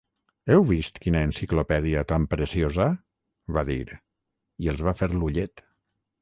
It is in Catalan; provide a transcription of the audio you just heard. Heu vist quina enciclopèdia tan preciosa? —va dir, i els va fer l'ullet.